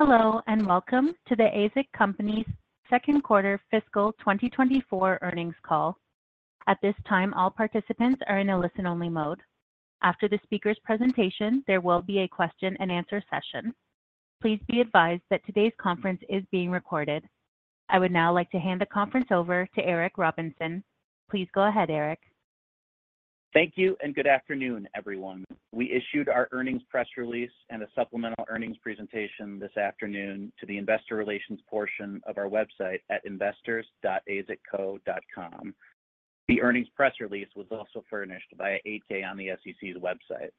Hello and welcome to the AZEK Company's Q2 Fiscal 2024 Earnings Call. At this time, all participants are in a listen-only mode. After the speaker's presentation, there will be a question-and-answer session. Please be advised that today's conference is being recorded. I would now like to hand the conference over to Eric Robinson. Please go ahead, Eric. Thank you and good afternoon, everyone. We issued our earnings press release and a supplemental earnings presentation this afternoon to the investor relations portion of our website at investors.azekco.com. The earnings press release was also furnished via 8-K on the SEC's website.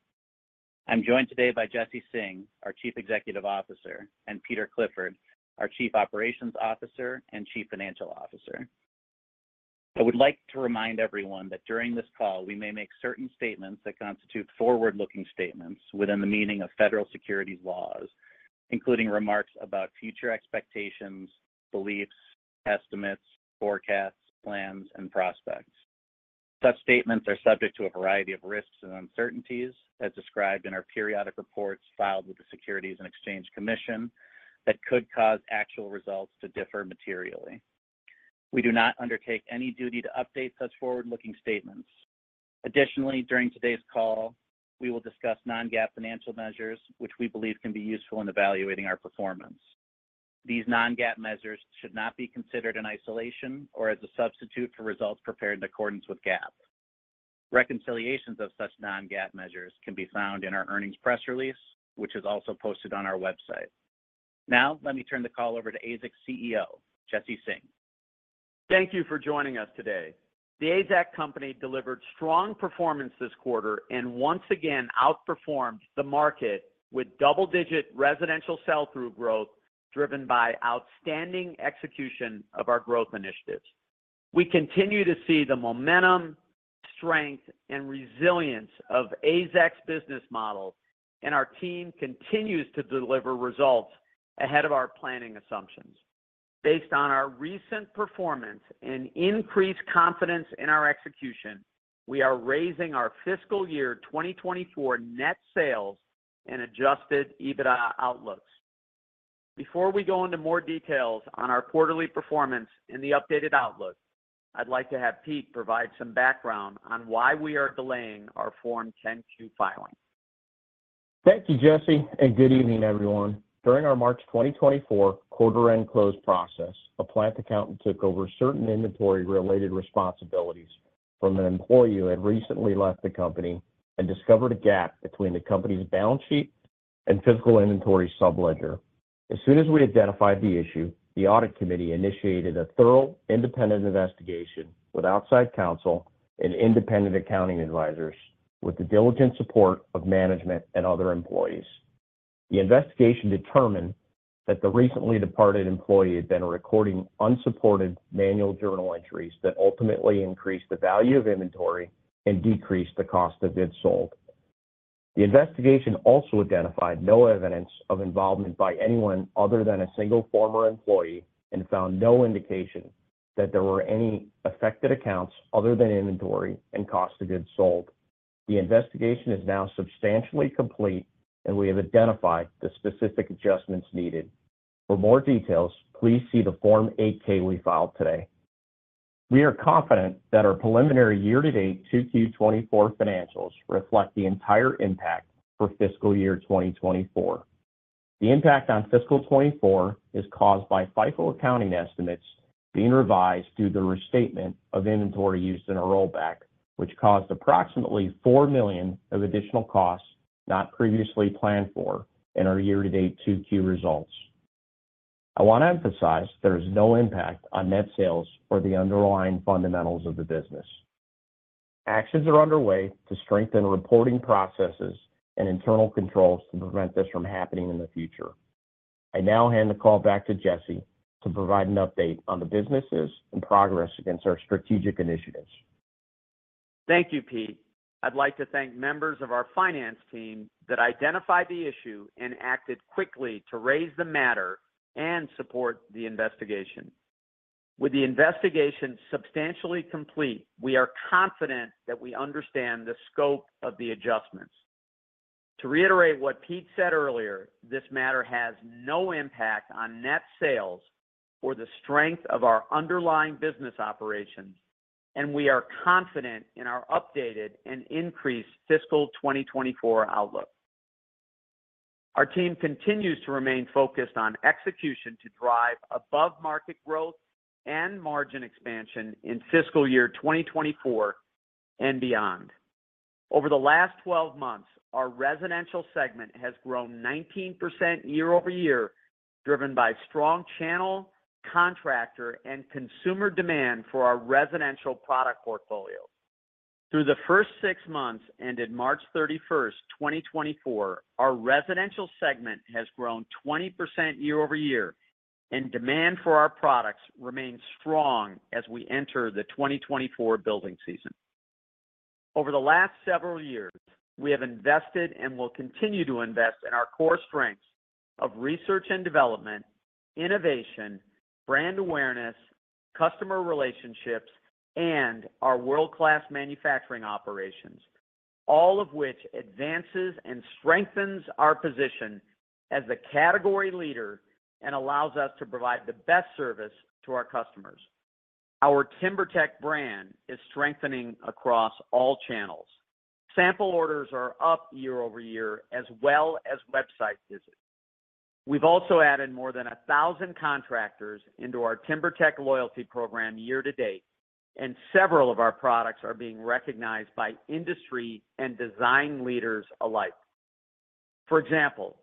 I'm joined today by Jesse Singh, our Chief Executive Officer, and Peter Clifford, our Chief Operations Officer and Chief Financial Officer. I would like to remind everyone that during this call, we may make certain statements that constitute forward-looking statements within the meaning of Federal Securities Laws, including remarks about future expectations, beliefs, estimates, forecasts, plans, and prospects. Such statements are subject to a variety of risks and uncertainties as described in our periodic reports filed with the Securities and Exchange Commission that could cause actual results to differ materially. We do not undertake any duty to update such forward-looking statements. Additionally, during today's call, we will discuss non-GAAP financial measures, which we believe can be useful in evaluating our performance. These non-GAAP measures should not be considered in isolation or as a substitute for results prepared in accordance with GAAP. Reconciliations of such non-GAAP measures can be found in our earnings press release, which is also posted on our website. Now, let me turn the call over to AZEK CEO, Jesse Singh. Thank you for joining us today. The AZEK Company delivered strong performance this quarter and once again outperformed the market with double-digit residential sell-through growth driven by outstanding execution of our growth initiatives. We continue to see the momentum, strength, and resilience of AZEK's business model, and our team continues to deliver results ahead of our planning assumptions. Based on our recent performance and increased confidence in our execution, we are raising our Fiscal Year 2024 net sales and adjusted EBITDA outlooks. Before we go into more details on our quarterly performance and the updated outlook, I'd like to have Pete provide some background on why we are delaying our Form 10-Q filing. Thank you, Jesse, and good evening, everyone. During our March 2024 quarter-end close process, a plant accountant took over certain inventory-related responsibilities from an employee who had recently left the company and discovered a gap between the company's balance sheet and physical inventory subledger. As soon as we identified the issue, the Audit Committee initiated a thorough, independent investigation with outside counsel and independent accounting advisors with the diligent support of management and other employees. The investigation determined that the recently departed employee had been recording unsupported manual journal entries that ultimately increased the value of inventory and decreased the cost of goods sold. The investigation also identified no evidence of involvement by anyone other than a single former employee and found no indication that there were any affected accounts other than inventory and cost of goods sold. The investigation is now substantially complete, and we have identified the specific adjustments needed. For more details, please see the Form 8-K we filed today. We are confident that our preliminary year-to-date 2Q 2024 financials reflect the entire impact for Fiscal year 2024. The impact on Fiscal 2024 is caused by FIFO accounting estimates being revised due to the restatement of inventory used in a rollback, which caused approximately $4 million of additional costs not previously planned for in our year-to-date 2Q results. I want to emphasize there is no impact on net sales or the underlying fundamentals of the business. Actions are underway to strengthen reporting processes and internal controls to prevent this from happening in the future. I now hand the call back to Jesse to provide an update on the businesses and progress against our strategic initiatives. Thank you, Pete. I'd like to thank members of our finance team that identified the issue and acted quickly to raise the matter and support the investigation. With the investigation substantially complete, we are confident that we understand the scope of the adjustments. To reiterate what Pete said earlier, this matter has no impact on net sales or the strength of our underlying business operations, and we are confident in our updated and increased Fiscal 2024 outlook. Our team continues to remain focused on execution to drive above-market growth and margin expansion in Fiscal year 2024 and beyond. Over the last 12 months, our residential segment has grown 19% year-over-year, driven by strong channel, contractor, and consumer demand for our residential product portfolio. Through the first six months ended March 31, 2024, our residential segment has grown 20% year-over-year, and demand for our products remains strong as we enter the 2024 building season. Over the last several years, we have invested and will continue to invest in our core strengths of research and development, innovation, brand awareness, customer relationships, and our world-class manufacturing operations, all of which advances and strengthens our position as the category leader and allows us to provide the best service to our customers. Our TimberTech brand is strengthening across all channels. Sample orders are up year-over-year as well as website visits. We've also added more than 1,000 contractors into our TimberTech loyalty program year to date, and several of our products are being recognized by industry and design leaders alike. For example,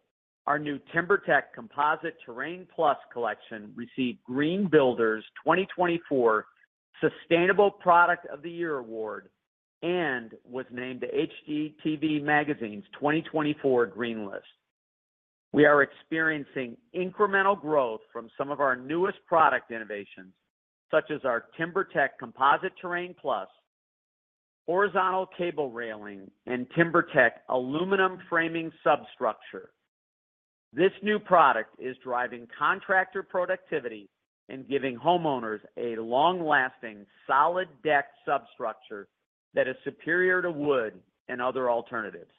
our new TimberTech Composite Terrain+ collection received Green Builder Media's 2024 Sustainable Product of the Year award and was named to HGTV Magazine 2024 Green List. We are experiencing incremental growth from some of our newest product innovations, such as our TimberTech Composite Terrain+, Horizontal Cable Railing, and TimberTech Aluminum Framing Substructure. This new product is driving contractor productivity and giving homeowners a long-lasting, solid deck substructure that is superior to wood and other alternatives.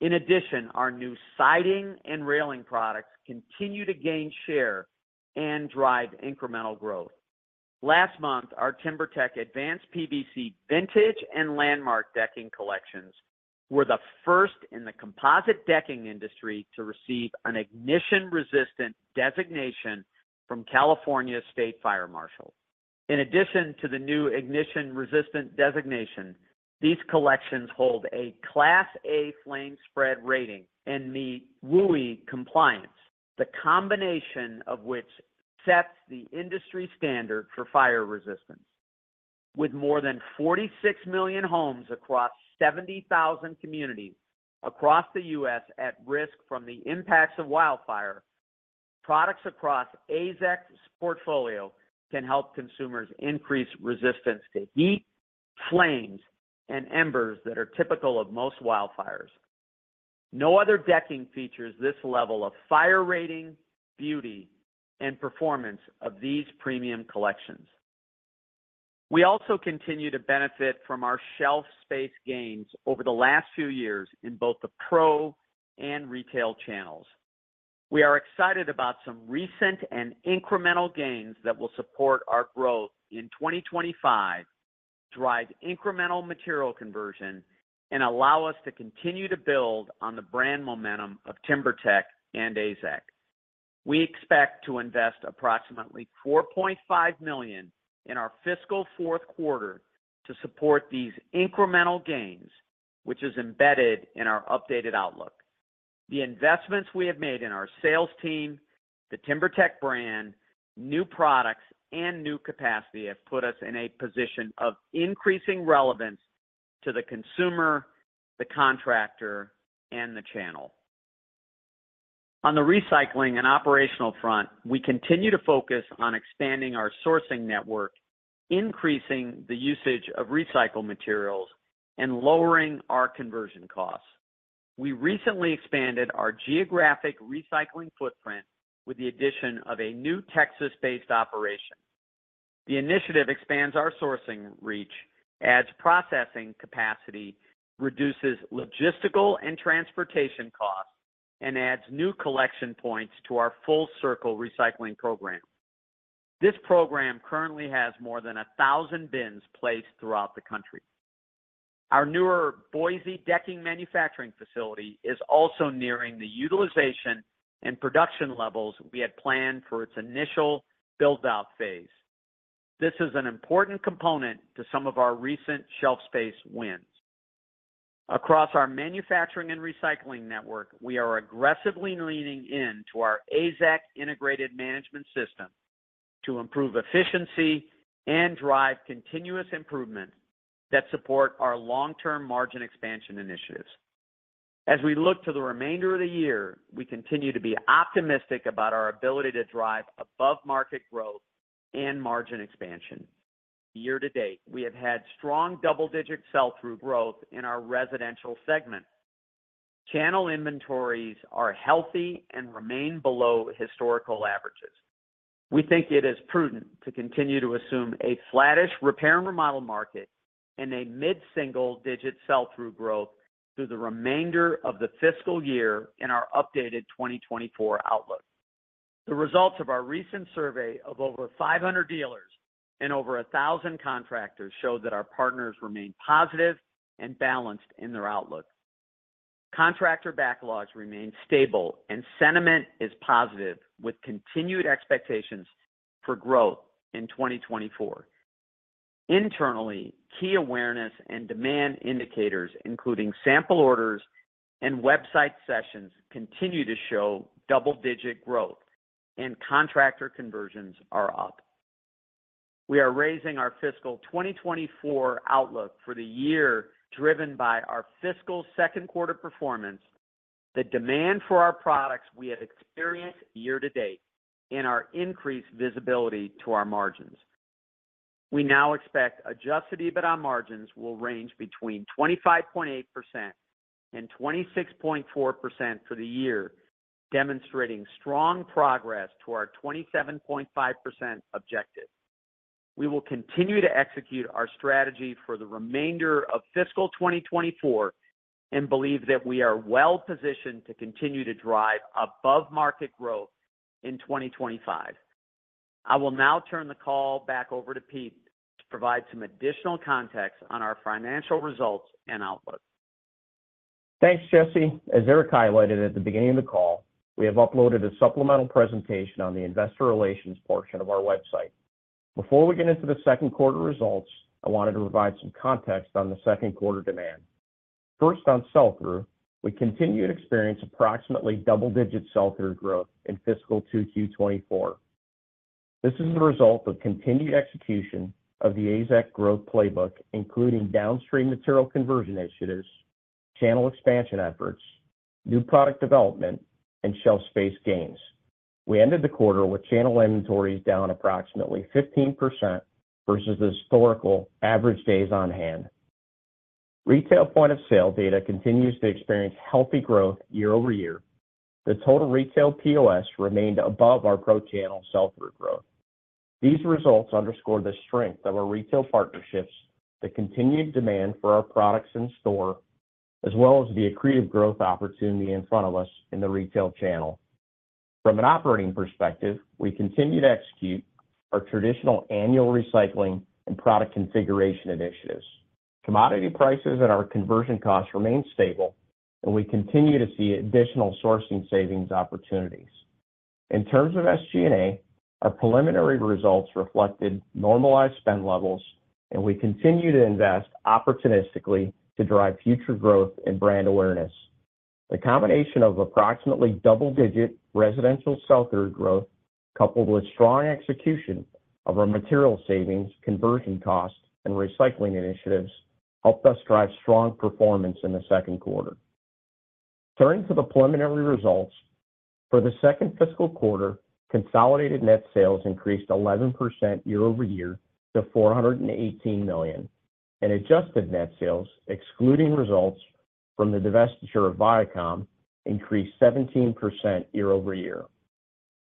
In addition, our new siding and railing products continue to gain share and drive incremental growth. Last month, our TimberTech Advanced PVC Vintage and Landmark Decking Collections were the first in the composite decking industry to receive an ignition-resistant designation from California State Fire Marshal. In addition to the new ignition-resistant designation, these collections hold a Class A flame-spread rating and meet WUI compliance, the combination of which sets the industry standard for fire resistance. With more than 46 million homes across 70,000 communities across the U.S. at risk from the impacts of wildfire, products across AZEK's portfolio can help consumers increase resistance to heat, flames, and embers that are typical of most wildfires. No other decking features this level of fire rating, beauty, and performance of these premium collections. We also continue to benefit from our shelf space gains over the last few years in both the pro and retail channels. We are excited about some recent and incremental gains that will support our growth in 2025, drive incremental material conversion, and allow us to continue to build on the brand momentum of TimberTech and AZEK. We expect to invest approximately $4.5 million in our Fiscal Q4 to support these incremental gains, which is embedded in our updated outlook. The investments we have made in our sales team, the TimberTech brand, new products, and new capacity have put us in a position of increasing relevance to the consumer, the contractor, and the channel. On the recycling and operational front, we continue to focus on expanding our sourcing network, increasing the usage of recycled materials, and lowering our conversion costs. We recently expanded our geographic recycling footprint with the addition of a new Texas-based operation. The initiative expands our sourcing reach, adds processing capacity, reduces logistical and transportation costs, and adds new collection points to our Full-Circle Recycling program. This program currently has more than 1,000 bins placed throughout the country. Our newer Boise decking manufacturing facility is also nearing the utilization and production levels we had planned for its initial build-out phase. This is an important component to some of our recent shelf space wins. Across our manufacturing and recycling network, we are aggressively leaning into our AZEK Integrated Management System to improve efficiency and drive continuous improvements that support our long-term margin expansion initiatives. As we look to the remainder of the year, we continue to be optimistic about our ability to drive above-market growth and margin expansion. Year to date, we have had strong double-digit sell-through growth in our residential segment. Channel inventories are healthy and remain below historical averages. We think it is prudent to continue to assume a flattish repair and remodel market and a mid-single-digit sell-through growth through the remainder of the Fiscal year in our updated 2024 outlook. The results of our recent survey of over 500 dealers and over 1,000 contractors show that our partners remain positive and balanced in their outlook. Contractor backlogs remain stable, and sentiment is positive with continued expectations for growth in 2024. Internally, key awareness and demand indicators, including sample orders and website sessions, continue to show double-digit growth, and contractor conversions are up. We are raising our Fiscal 2024 outlook for the year driven by our Fiscal second-quarter performance, the demand for our products we have experienced year to date, and our increased visibility to our margins. We now expect Adjusted EBITDA margins will range between 25.8%-26.4% for the year, demonstrating strong progress to our 27.5% objective. We will continue to execute our strategy for the remainder of Fiscal 2024 and believe that we are well-positioned to continue to drive above-market growth in 2025. I will now turn the call back over to Pete to provide some additional context on our financial results and outlook. Thanks, Jesse. As Eric highlighted at the beginning of the call, we have uploaded a supplemental presentation on the investor relations portion of our website. Before we get into the second-quarter results, I wanted to provide some context on the second-quarter demand. First, on sell-through, we continue to experience approximately double-digit sell-through growth in Fiscal 2Q24. This is the result of continued execution of the AZEK growth playbook, including downstream material conversion initiatives, channel expansion efforts, new product development, and shelf space gains. We ended the quarter with channel inventories down approximately 15% versus the historical average days on hand. Retail point-of-sale data continues to experience healthy growth year-over-year. The total retail POS remained above our pro-channel sell-through growth. These results underscore the strength of our retail partnerships, the continued demand for our products in-store, as well as the accretive growth opportunity in front of us in the retail channel. From an operating perspective, we continue to execute our traditional annual recycling and product configuration initiatives. Commodity prices and our conversion costs remain stable, and we continue to see additional sourcing savings opportunities. In terms of SG&A, our preliminary results reflected normalized spend levels, and we continue to invest opportunistically to drive future growth and brand awareness. The combination of approximately double-digit residential sell-through growth, coupled with strong execution of our material savings, conversion costs, and recycling initiatives, helped us drive strong performance in the Q2. Turning to the preliminary results, for the second Fiscal quarter, consolidated net sales increased 11% year-over-year to $418 million, and adjusted net sales, excluding results from the divestiture of Vycom, increased 17% year-over-year.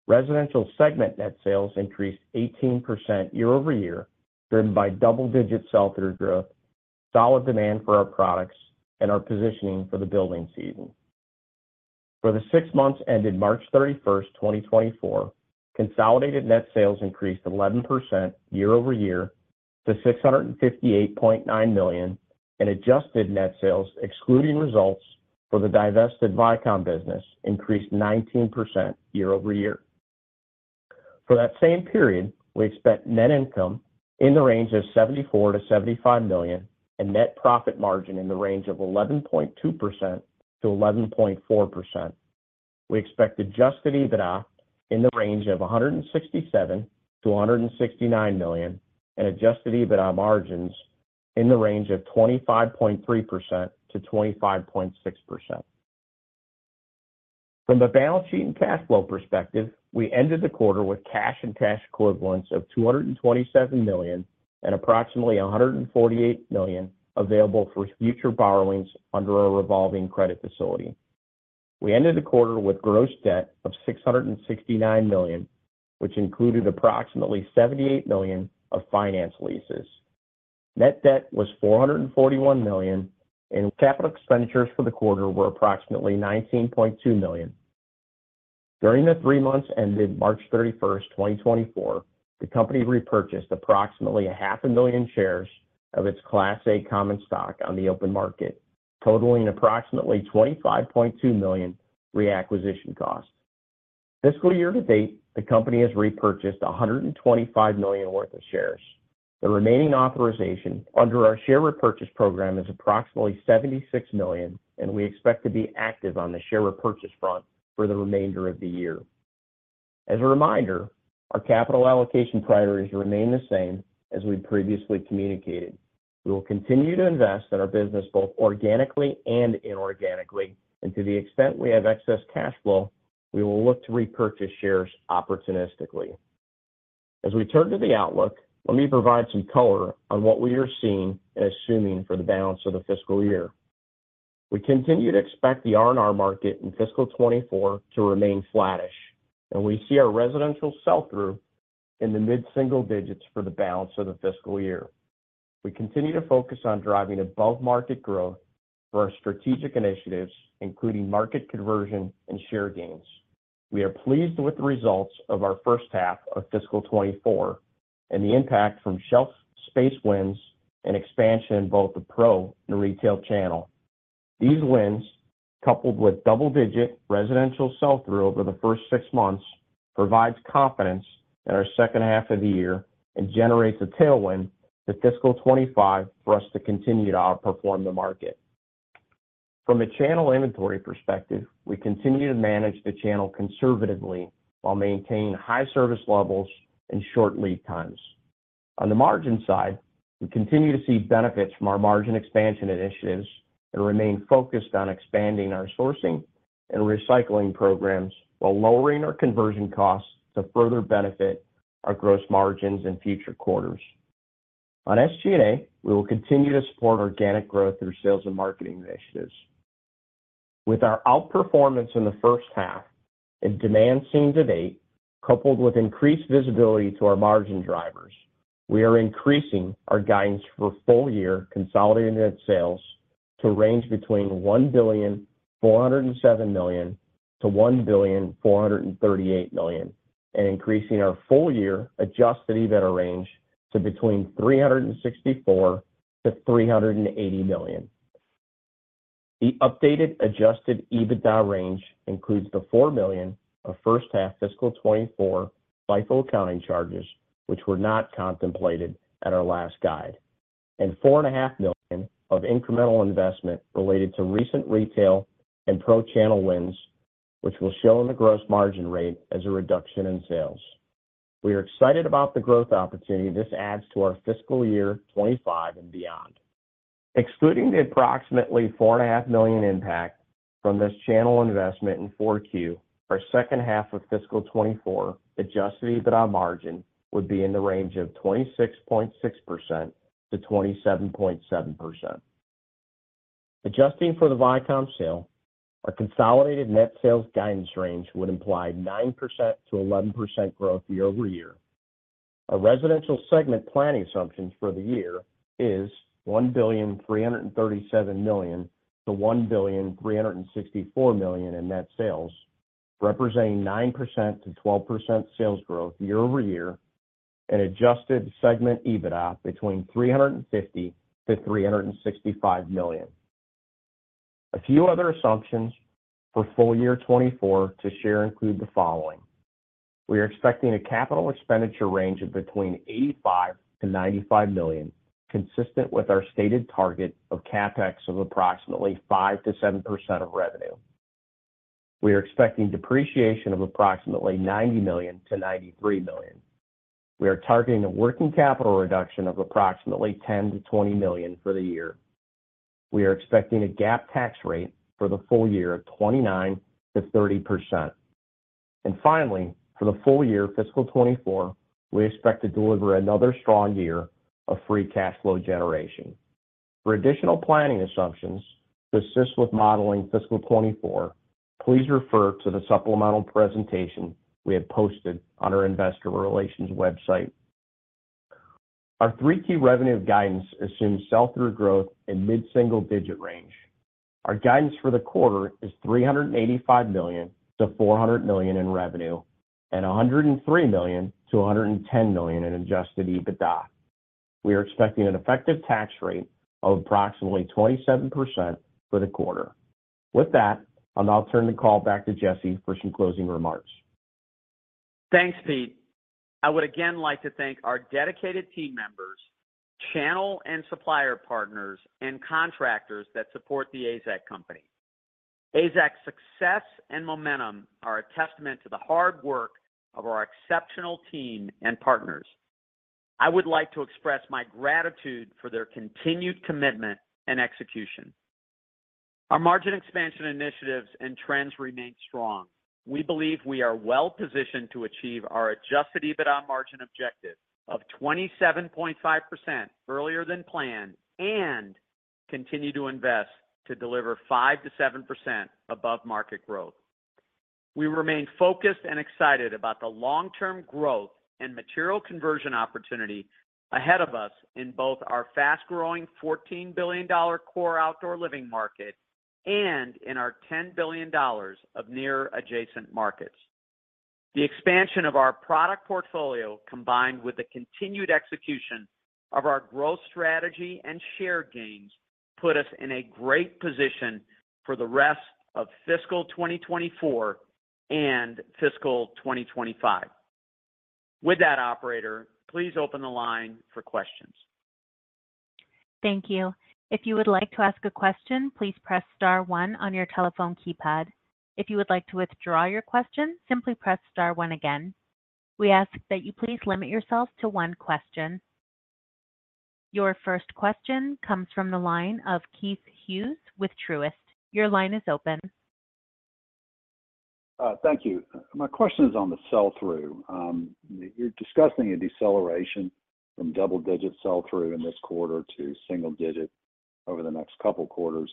Residential segment net sales increased 18% year-over-year, driven by double-digit sell-through growth, solid demand for our products, and our positioning for the building season. For the six months ended March 31, 2024, consolidated net sales increased 11% year-over-year to $658.9 million, and adjusted net sales, excluding results for the divested Vycom business, increased 19% year-over-year. For that same period, we expect net income in the range of $74-75 million and net profit margin in the range of 11.2%-11.4%. We expect Adjusted EBITDA in the range of $167-169 million and Adjusted EBITDA margins in the range of 25.3%-25.6%. From the balance sheet and cash flow perspective, we ended the quarter with cash and cash equivalents of $227 million and approximately $148 million available for future borrowings under our revolving credit facility. We ended the quarter with gross debt of $669 million, which included approximately $78 million of finance leases. Net debt was $441 million, and capital expenditures for the quarter were approximately $19.2 million. During the three months ended March 31, 2024, the company repurchased approximately 500,000 shares of its Class A common stock on the open market, totaling approximately $25.2 million reacquisition costs. Fiscal year to date, the company has repurchased $125 million worth of shares. The remaining authorization under our share repurchase program is approximately $76 million, and we expect to be active on the share repurchase front for the remainder of the year. As a reminder, our capital allocation priorities remain the same as we previously communicated. We will continue to invest in our business both organically and inorganically, and to the extent we have excess cash flow, we will look to repurchase shares opportunistically. As we turn to the outlook, let me provide some color on what we are seeing and assuming for the balance of the Fiscal year. We continue to expect the R&R market in Fiscal 2024 to remain flattish, and we see our residential sell-through in the mid-single digits for the balance of the Fiscal year. We continue to focus on driving above-market growth for our strategic initiatives, including market conversion and share gains. We are pleased with the results of our first half of Fiscal 2024 and the impact from shelf space wins and expansion in both the pro and retail channel. These wins, coupled with double-digit residential sell-through over the first six months, provide confidence in our second half of the year and generate the tailwind to Fiscal 2025 for us to continue to outperform the market. From a channel inventory perspective, we continue to manage the channel conservatively while maintaining high service levels and short lead times. On the margin side, we continue to see benefits from our margin expansion initiatives and remain focused on expanding our sourcing and recycling programs while lowering our conversion costs to further benefit our gross margins in future quarters. On SG&A, we will continue to support organic growth through sales and marketing initiatives. With our outperformance in the first half and demand seen to date, coupled with increased visibility to our margin drivers, we are increasing our guidance for full-year consolidated net sales to range between $1,407 million-$1,438 million and increasing our full-year Adjusted EBITDA range to between $364 million-$380 million. The updated Adjusted EBITDA range includes the $4 million of first-half Fiscal 2024 FIFO accounting charges, which were not contemplated at our last guide, and $4.5 million of incremental investment related to recent retail and pro-channel wins, which will show in the gross margin rate as a reduction in sales. We are excited about the growth opportunity this adds to our Fiscal year 2025 and beyond. Excluding the approximately $4.5 million impact from this channel investment in 4Q, our second half of Fiscal 2024 adjusted EBITDA margin would be in the range of 26.6%-27.7%. Adjusting for the Vycom sale, our consolidated net sales guidance range would imply 9%-11% growth year-over-year. Our residential segment planning assumptions for the year is $1.337-1.364 billion in net sales, representing 9%-12% sales growth year-over-year and adjusted segment EBITDA between $350 million-$365 million. A few other assumptions for full-year 2024 to share include the following: we are expecting a capital expenditure range of between $85 million-$95 million, consistent with our stated target of CapEx of approximately 5%-7% of revenue. We are expecting depreciation of approximately $90 million-$93 million. We are targeting a working capital reduction of approximately $10 million-$20 million for the year. We are expecting a GAAP tax rate for the full year of 29%-30%. And finally, for the full year Fiscal 2024, we expect to deliver another strong year of free cash flow generation. For additional planning assumptions to assist with modeling Fiscal 2024, please refer to the supplemental presentation we have posted on our investor relations website. Our 3Q revenue guidance assumes sell-through growth in mid-single digit range. Our guidance for the quarter is $385 million-$400 million in revenue and $103 million-$110 million in adjusted EBITDA. We are expecting an effective tax rate of approximately 27% for the quarter. With that, I'll now turn the call back to Jesse for some closing remarks. Thanks, Pete. I would again like to thank our dedicated team members, channel and supplier partners, and contractors that support the AZEK Company. AZEK's success and momentum are a testament to the hard work of our exceptional team and partners. I would like to express my gratitude for their continued commitment and execution. Our margin expansion initiatives and trends remain strong. We believe we are well-positioned to achieve our Adjusted EBITDA margin objective of 27.5% earlier than planned and continue to invest to deliver 5%-7% above-market growth. We remain focused and excited about the long-term growth and material conversion opportunity ahead of us in both our fast-growing $14 billion core outdoor living market and in our $10 billion of near-adjacent markets. The expansion of our product portfolio, combined with the continued execution of our growth strategy and share gains, put us in a great position for the rest of Fiscal 2024 and Fiscal 2025. With that, operator, please open the line for questions. Thank you. If you would like to ask a question, please press star one on your telephone keypad. If you would like to withdraw your question, simply press star one again. We ask that you please limit yourself to one question. Your first question comes from the line of Keith Hughes with Truist. Your line is open. Thank you. My question is on the sell-through. You're discussing a deceleration from double-digit sell-through in this quarter to single-digit over the next couple of quarters.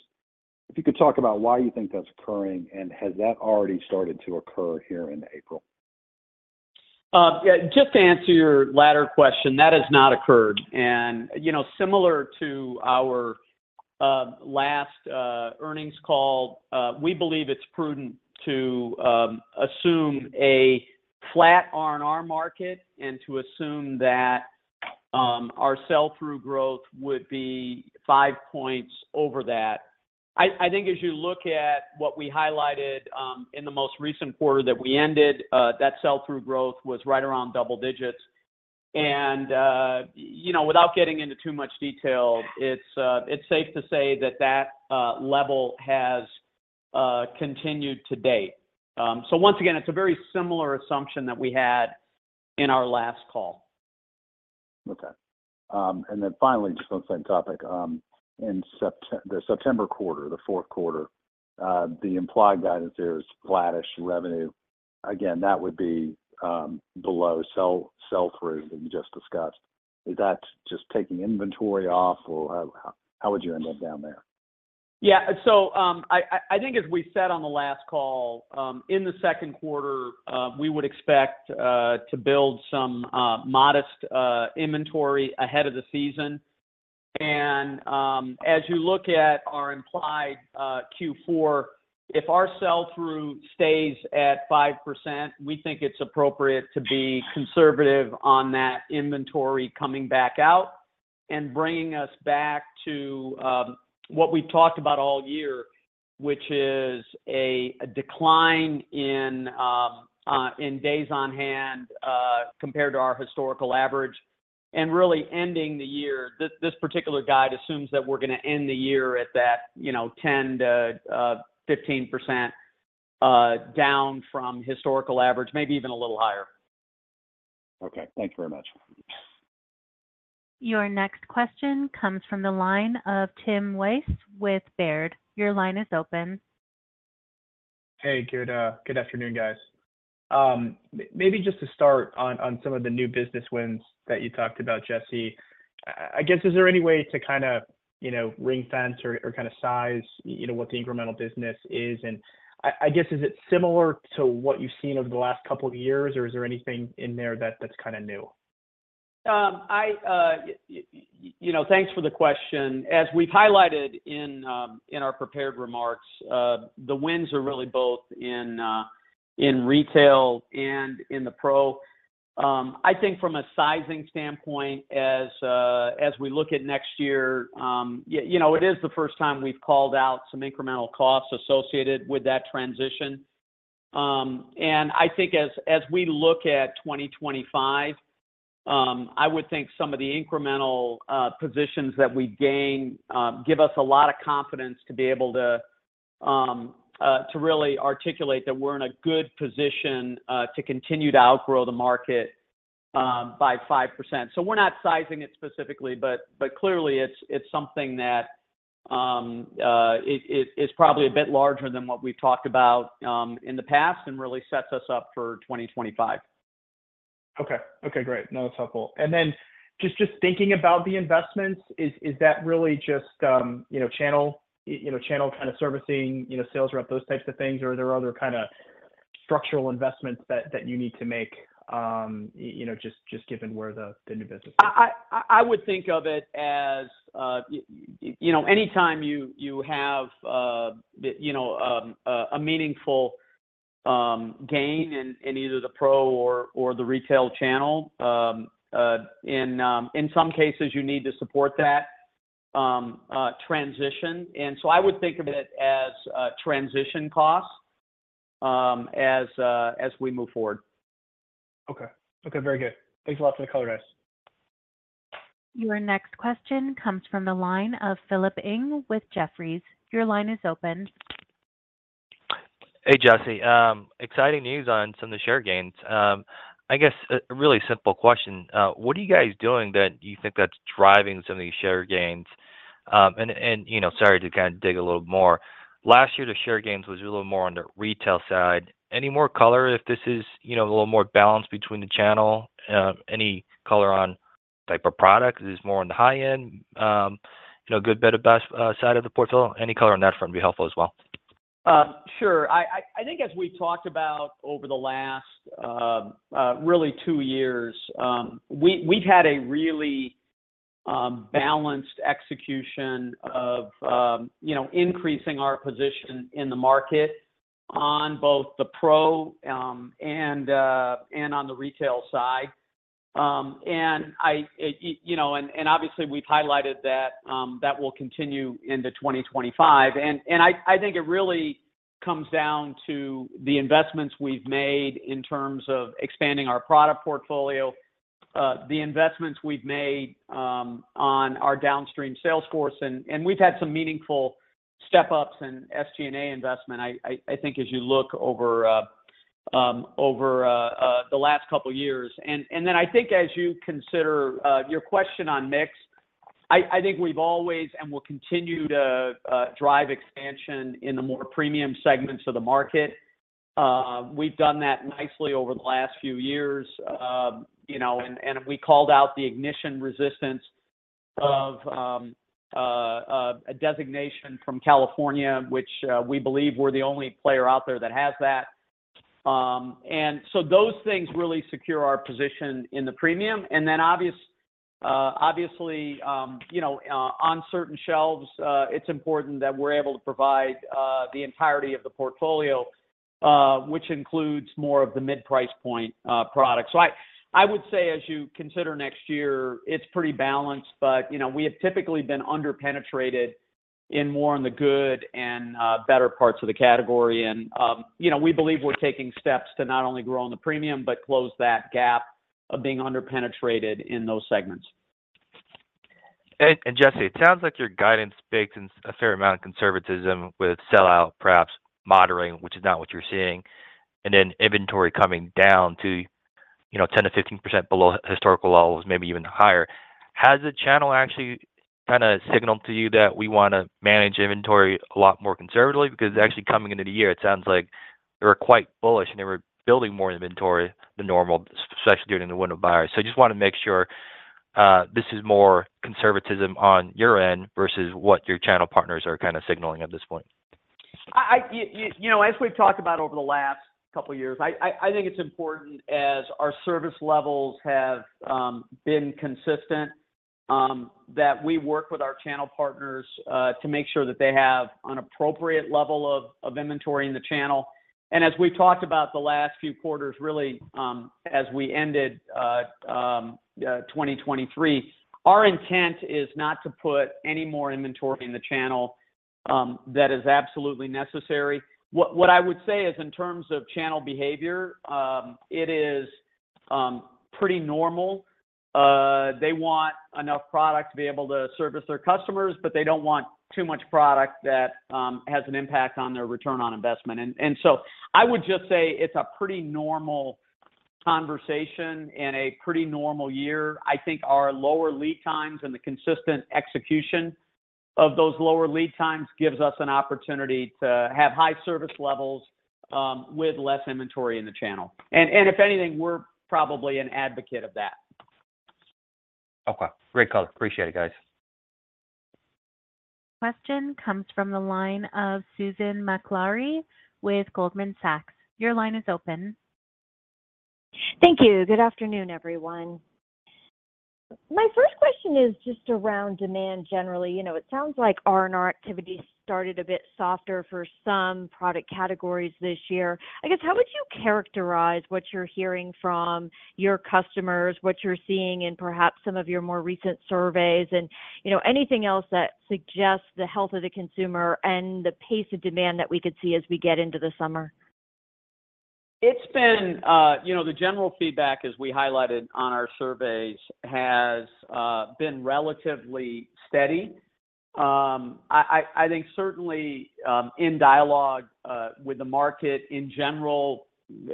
If you could talk about why you think that's occurring, and has that already started to occur here in April? Yeah. Just to answer your latter question, that has not occurred. And similar to our last earnings call, we believe it's prudent to assume a flat R&R market and to assume that our sell-through growth would be five points over that. I think as you look at what we highlighted in the most recent quarter that we ended, that sell-through growth was right around double digits. And without getting into too much detail, it's safe to say that that level has continued to date. So once again, it's a very similar assumption that we had in our last call. Okay. And then finally, just on the same topic, in the September quarter, the Q4, the implied guidance there is flattish revenue. Again, that would be below sell-through that you just discussed. Is that just taking inventory off, or how would you end up down there? Yeah. So I think as we said on the last call, in the Q2, we would expect to build some modest inventory ahead of the season. And as you look at our implied Q4, if our sell-through stays at 5%, we think it's appropriate to be conservative on that inventory coming back out and bringing us back to what we've talked about all year, which is a decline in days on hand compared to our historical average and really ending the year. This particular guide assumes that we're going to end the year at that 10%-15% down from historical average, maybe even a little higher. Okay. Thank you very much. Your next question comes from the line of Tim Wojs with Baird. Your line is open. Hey. Good afternoon, guys. Maybe just to start on some of the new business wins that you talked about, Jesse, I guess, is there any way to kind of ring-fence or kind of size what the incremental business is? And I guess, is it similar to what you've seen over the last couple of years, or is there anything in there that's kind of new? Thanks for the question. As we've highlighted in our prepared remarks, the wins are really both in retail and in the pro. I think from a sizing standpoint, as we look at next year, it is the first time we've called out some incremental costs associated with that transition. And I think as we look at 2025, I would think some of the incremental positions that we gain give us a lot of confidence to be able to really articulate that we're in a good position to continue to outgrow the market by 5%. So we're not sizing it specifically, but clearly, it's something that is probably a bit larger than what we've talked about in the past and really sets us up for 2025. Okay. Okay. Great. No, that's helpful. And then just thinking about the investments, is that really just channel kind of servicing, sales rep, those types of things, or are there other kind of structural investments that you need to make just given where the new business is? I would think of it as anytime you have a meaningful gain in either the pro or the retail channel. In some cases, you need to support that transition. And so I would think of it as transition costs as we move forward. Okay. Okay. Very good. Thanks a lot for the colored eyes. Your next question comes from the line of Philip Ng with Jefferies. Your line is open. Hey, Jesse. Exciting news on some of the share gains. I guess a really simple question. What are you guys doing that you think that's driving some of these share gains? And sorry to kind of dig a little more. Last year, the share gains was a little more on the retail side. Any more color if this is a little more balanced between the channel? Any color on type of product? Is this more on the high-end, good, better, or best side of the portfolio? Any color on that front would be helpful as well. Sure. I think as we've talked about over the last really two years, we've had a really balanced execution of increasing our position in the market on both the pro and on the retail side. And obviously, we've highlighted that that will continue into 2025. And I think it really comes down to the investments we've made in terms of expanding our product portfolio, the investments we've made on our downstream sales force. And we've had some meaningful step-ups in SG&A investment, I think, as you look over the last couple of years. And then I think as you consider your question on mix, I think we've always and will continue to drive expansion in the more premium segments of the market. We've done that nicely over the last few years. We called out the ignition-resistant designation from California, which we believe we're the only player out there that has that. So those things really secure our position in the premium. Then obviously, on certain shelves, it's important that we're able to provide the entirety of the portfolio, which includes more of the mid-price point products. So I would say as you consider next year, it's pretty balanced, but we have typically been underpenetrated more in the good and better parts of the category. We believe we're taking steps to not only grow in the premium but close that gap of being underpenetrated in those segments. Jesse, it sounds like your guidance bakes in a fair amount of conservatism with sell-through, perhaps moderating, which is not what you're seeing, and then inventory coming down to 10%-15% below historical levels, maybe even higher. Has the channel actually kind of signaled to you that we want to manage inventory a lot more conservatively? Because actually coming into the year, it sounds like they were quite bullish, and they were building more inventory than normal, especially during the wind of buyers. So I just want to make sure this is more conservatism on your end versus what your channel partners are kind of signaling at this point. As we've talked about over the last couple of years, I think it's important as our service levels have been consistent that we work with our channel partners to make sure that they have an appropriate level of inventory in the channel. And as we've talked about the last few quarters, really as we ended 2023, our intent is not to put any more inventory in the channel that is absolutely necessary. What I would say is in terms of channel behavior, it is pretty normal. They want enough product to be able to service their customers, but they don't want too much product that has an impact on their return on investment. And so I would just say it's a pretty normal conversation in a pretty normal year. I think our lower lead times and the consistent execution of those lower lead times gives us an opportunity to have high service levels with less inventory in the channel. If anything, we're probably an advocate of that. Okay. Great call. Appreciate it, guys. Question comes from the line of Susan Maklari with Goldman Sachs. Your line is open. Thank you. Good afternoon, everyone. My first question is just around demand generally. It sounds like R&R activity started a bit softer for some product categories this year. I guess, how would you characterize what you're hearing from your customers, what you're seeing in perhaps some of your more recent surveys, and anything else that suggests the health of the consumer and the pace of demand that we could see as we get into the summer? It's been the general feedback, as we highlighted on our surveys, has been relatively steady. I think certainly in dialogue with the market in general,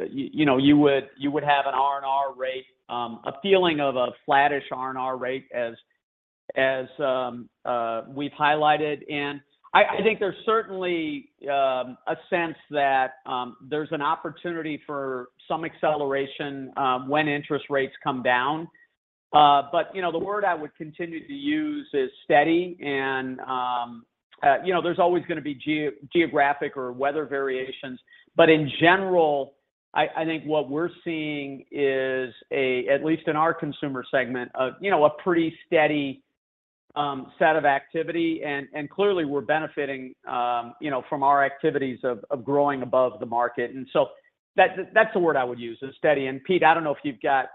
you would have an R&R rate, a feeling of a flattish R&R rate as we've highlighted. I think there's certainly a sense that there's an opportunity for some acceleration when interest rates come down. But the word I would continue to use is steady. There's always going to be geographic or weather variations. But in general, I think what we're seeing is, at least in our consumer segment, a pretty steady set of activity. Clearly, we're benefiting from our activities of growing above the market. So that's the word I would use, is steady. Pete, I don't know if you've got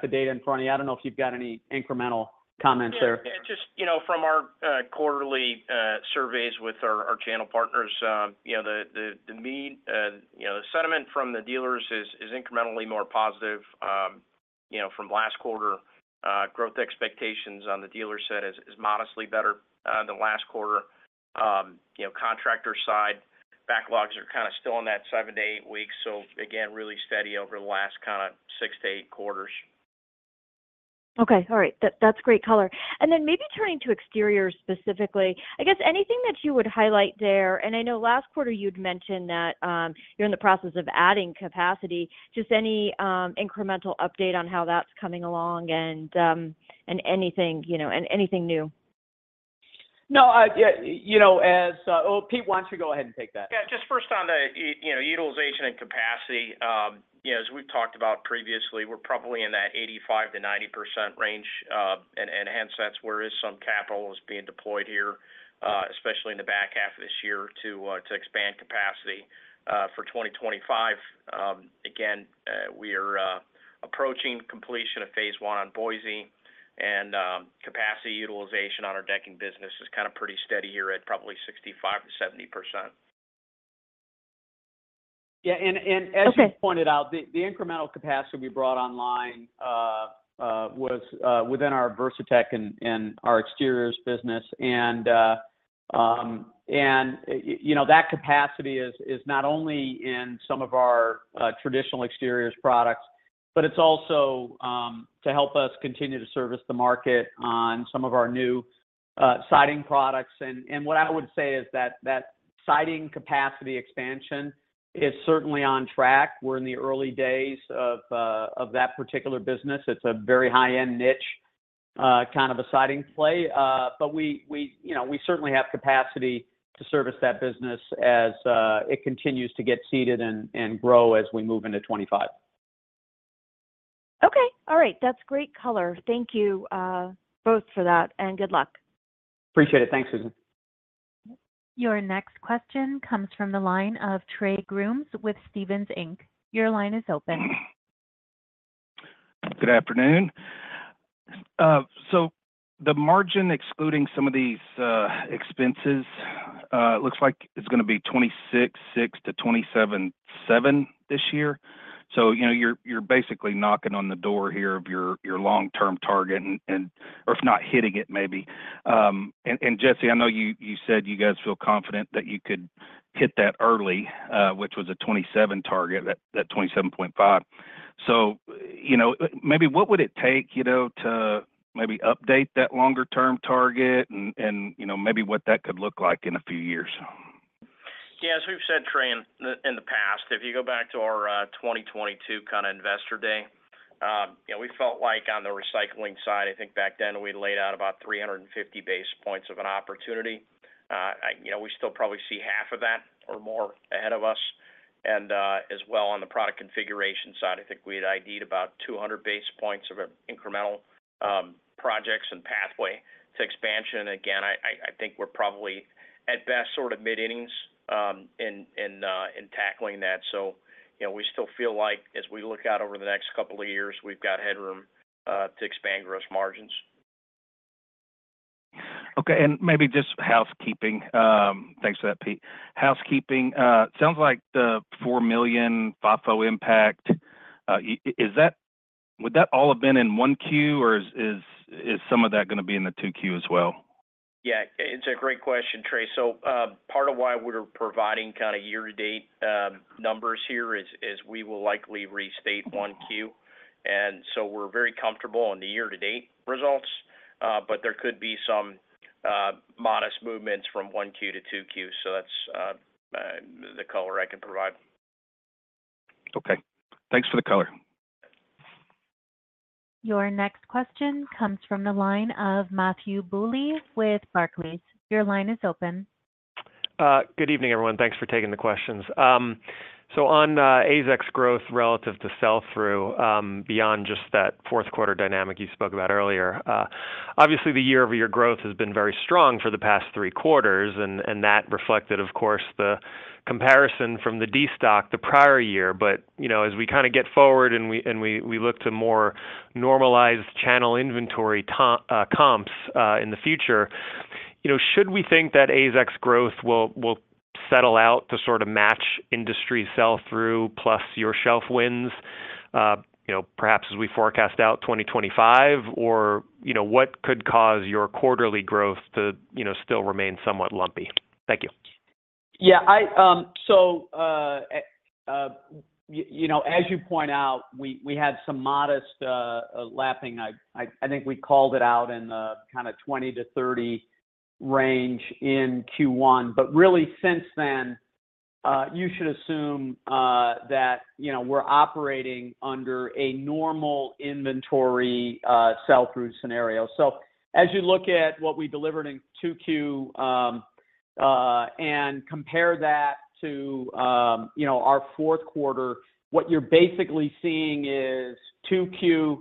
the data in front of you. I don't know if you've got any incremental comments there. Yeah. Just from our quarterly surveys with our channel partners, the mean, the sentiment from the dealers is incrementally more positive from last quarter. Growth expectations on the dealer side is modestly better than last quarter. Contractor side backlogs are kind of still on that 7-8 weeks. So again, really steady over the last kind of 6-8 quarters. Okay. All right. That's great color. And then maybe turning to exteriors specifically, I guess anything that you would highlight there? And I know last quarter, you'd mentioned that you're in the process of adding capacity. Just any incremental update on how that's coming along and anything new? No. So, Pete, why don't you go ahead and take that? Yeah. Just first on the utilization and capacity. As we've talked about previously, we're probably in that 85%-90% range. And hence, that's where some capital is being deployed here, especially in the back half of this year to expand capacity for 2025. Again, we are approaching completion of phase one on Boise. And capacity utilization on our decking business is kind of pretty steady here at probably 65%-70%. Yeah. And as you pointed out, the incremental capacity we brought online was within our Versatex and our exteriors business. And that capacity is not only in some of our traditional exteriors products, but it's also to help us continue to service the market on some of our new siding products. And what I would say is that siding capacity expansion is certainly on track. We're in the early days of that particular business. It's a very high-end niche kind of a siding play. But we certainly have capacity to service that business as it continues to get seeded and grow as we move into 2025. Okay. All right. That's great color. Thank you both for that, and good luck. Appreciate it. Thanks, Susan. Your next question comes from the line of Trey Grooms with Stephens Inc. Your line is open. Good afternoon. So the margin excluding some of these expenses looks like it's going to be 26.6 - 27.7 this year. So you're basically knocking on the door here of your long-term target or if not hitting it, maybe. And Jesse, I know you said you guys feel confident that you could hit that early, which was a 27 target, that 27.5. So maybe what would it take to maybe update that longer-term target and maybe what that could look like in a few years? Yeah. As we've said, Trey, in the past, if you go back to our 2022 kind of investor day, we felt like on the recycling side, I think back then we laid out about 350 basis points of an opportunity. We still probably see half of that or more ahead of us. And as well on the product configuration side, I think we had ID'd about 200 basis points of incremental projects and pathway to expansion. And again, I think we're probably at best sort of mid-innings in tackling that. So we still feel like as we look out over the next couple of years, we've got headroom to expand gross margins. Okay. And maybe just housekeeping. Thanks for that, Pete. Housekeeping, it sounds like the $4 million FIFO impact, would that all have been in 1Q, or is some of that going to be in the 2Q as well? Yeah. It's a great question, Trey. So part of why we're providing kind of year-to-date numbers here is we will likely restate Q1. And so we're very comfortable on the year-to-date results. But there could be some modest movements from Q1 to Q2. That's the color I can provide. Okay. Thanks for the color. Your next question comes from the line of Matthew Bouley with Barclays. Your line is open. Good evening, everyone. Thanks for taking the questions. So on AZEK's growth relative to sell-through beyond just that Q4 dynamic you spoke about earlier, obviously, the year-over-year growth has been very strong for the past three quarters. And that reflected, of course, the comparison from the de-stocking the prior year. But as we kind of get forward and we look to more normalized channel inventory comps in the future, should we think that AZEK's growth will settle out to sort of match industry sell-through plus your shelf wins, perhaps as we forecast out 2025? Or what could cause your quarterly growth to still remain somewhat lumpy? Thank you. Yeah. So as you point out, we had some modest lapping. I think we called it out in the kind of 20-30 range in Q1. But really since then, you should assume that we're operating under a normal inventory sell-through scenario. So as you look at what we delivered in 2Q and compare that to our Q4, what you're basically seeing is 2Q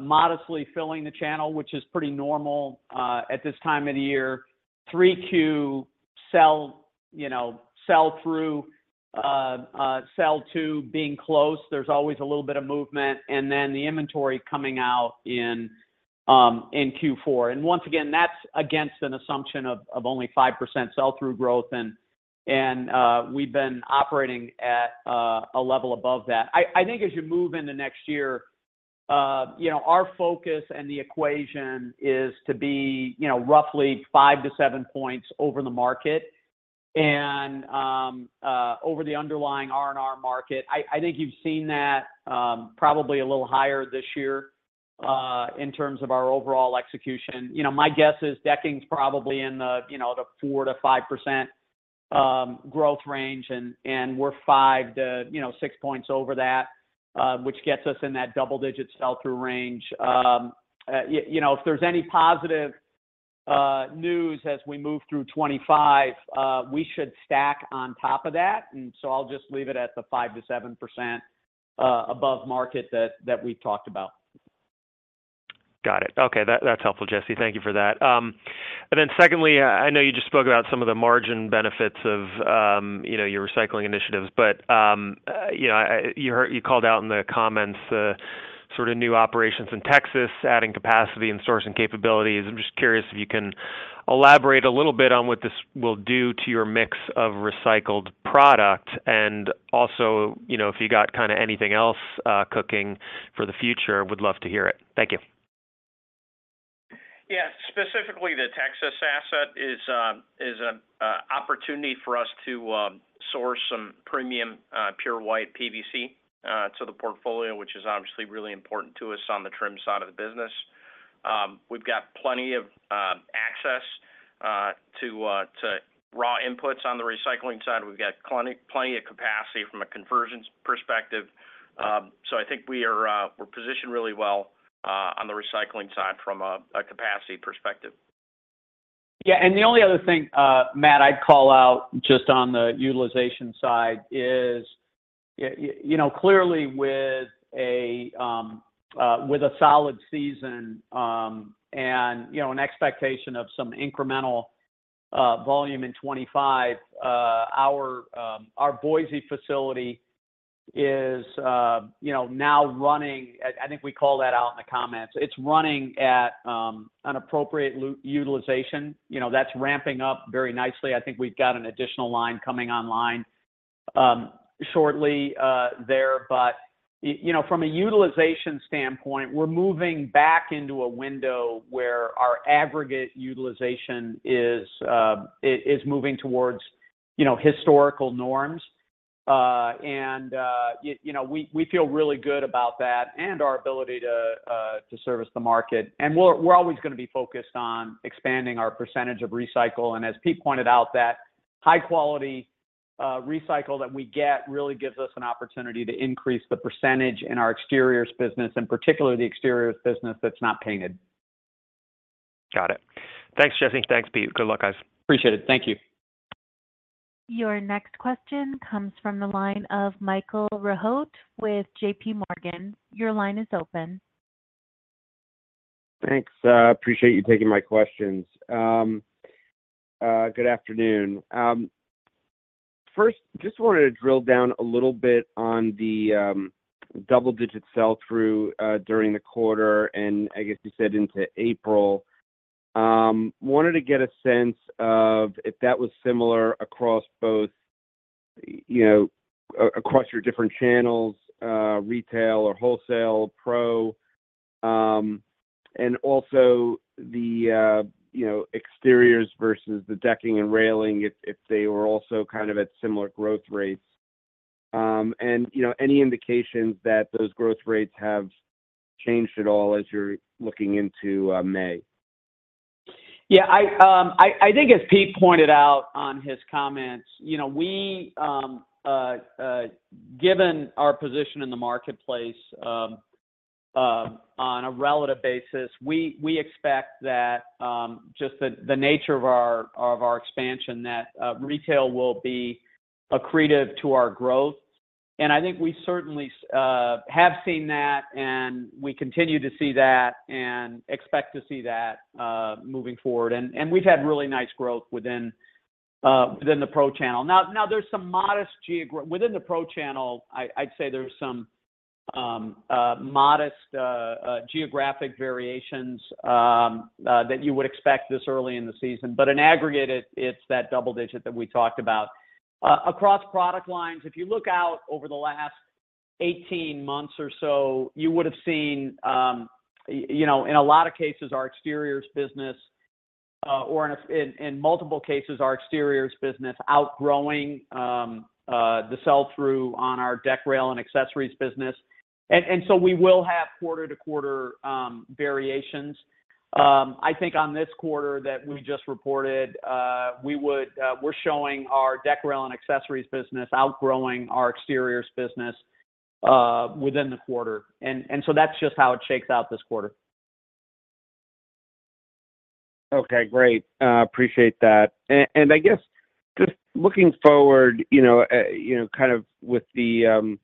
modestly filling the channel, which is pretty normal at this time of the year. 3Q sell-through, sell-to being close. There's always a little bit of movement. And then the inventory coming out in Q4. And once again, that's against an assumption of only 5% sell-through growth. And we've been operating at a level above that. I think as you move into next year, our focus and the equation is to be roughly 5-7 points over the market and over the underlying R&R market. I think you've seen that probably a little higher this year in terms of our overall execution. My guess is decking's probably in the 4%-5% growth range. And we're 5-6 points over that, which gets us in that double-digit sell-through range. If there's any positive news as we move through 2025, we should stack on top of that. And so I'll just leave it at the 5%-7% above market that we've talked about. Got it. Okay. That's helpful, Jesse. Thank you for that. And then secondly, I know you just spoke about some of the margin benefits of your recycling initiatives. But you called out in the comments sort of new operations in Texas, adding capacity and sourcing capabilities. I'm just curious if you can elaborate a little bit on what this will do to your mix of recycled product. And also if you got kind of anything else cooking for the future, would love to hear it. Thank you. Yeah. Specifically, the Texas asset is an opportunity for us to source some premium pure white PVC to the portfolio, which is obviously really important to us on the trim side of the business. We've got plenty of access to raw inputs on the recycling side. We've got plenty of capacity from a conversion perspective. So I think we're positioned really well on the recycling side from a capacity perspective. Yeah. And the only other thing, Matt, I'd call out just on the utilization side is clearly with a solid season and an expectation of some incremental volume in 2025, our Boise facility is now running. I think we called that out in the comments. It's running at an appropriate utilization. That's ramping up very nicely. I think we've got an additional line coming online shortly there. But from a utilization standpoint, we're moving back into a window where our aggregate utilization is moving towards historical norms. And we feel really good about that and our ability to service the market. And we're always going to be focused on expanding our percentage of recycle. And as Pete pointed out, that high-quality recycle that we get really gives us an opportunity to increase the percentage in our exteriors business, in particular, the exteriors business that's not painted. Got it. Thanks, Jesse. Thanks, Pete. Good luck, guys. Appreciate it. Thank you. Your next question comes from the line of Michael Rehaut with JPMorgan. Your line is open. Thanks. Appreciate you taking my questions. Good afternoon. First, just wanted to drill down a little bit on the double-digit sell-through during the quarter and, I guess you said, into April. Wanted to get a sense of if that was similar across your different channels, retail or wholesale, pro, and also the exteriors versus the decking and railing, if they were also kind of at similar growth rates. Any indications that those growth rates have changed at all as you're looking into May? Yeah. I think as Pete pointed out on his comments, given our position in the marketplace on a relative basis, we expect that just the nature of our expansion, that retail will be accretive to our growth. I think we certainly have seen that, and we continue to see that and expect to see that moving forward. We've had really nice growth within the pro channel. Now, there's some modest within the pro channel. I'd say there's some modest geographic variations that you would expect this early in the season. But in aggregate, it's that double-digit that we talked about. Across product lines, if you look out over the last 18 months or so, you would have seen, in a lot of cases, our exteriors business or in multiple cases, our exteriors business outgrowing the sell-through on our deck, rail, and accessories business. We will have quarter-to-quarter variations. I think on this quarter that we just reported, we're showing our deck, rail, and accessories business outgrowing our exteriors business within the quarter. That's just how it shakes out this quarter. Okay. Great. Appreciate that. And I guess just looking forward kind of with the